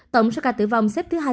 tổng số ca tử vong xếp thứ hai mươi bốn